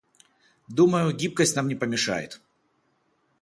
Думаю, гибкость нам не помешает.